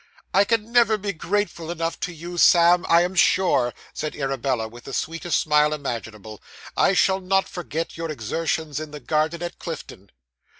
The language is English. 'I can never be grateful enough to you, Sam, I am sure,' said Arabella, with the sweetest smile imaginable. 'I shall not forget your exertions in the garden at Clifton.